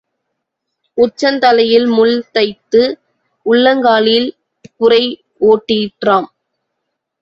உச்சந் தலையில் முள் தைத்து உள்ளங்காலில் புரை ஓடிற்றாம்.